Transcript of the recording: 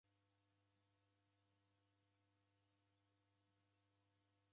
W'aisanga w'ew'ona w'ingie siasa.